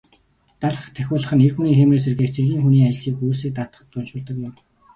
Далха тахиулах нь эр хүний хийморийг сэргээх, цэргийн хүний ажил үйлсийг даатгахад уншуулдаг ном.